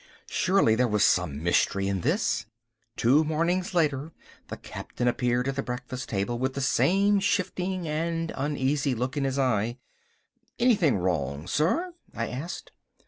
Surely there was some mystery in this. Two mornings later the Captain appeared at the breakfast table with the same shifting and uneasy look in his eye. "Anything wrong, sir?" I asked.